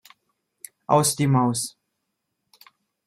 Aus die Maus!